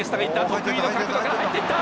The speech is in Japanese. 得意の角度から入っていった！